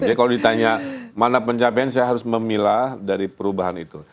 jadi kalau ditanya mana pencapaian saya harus memilah dari perubahan itu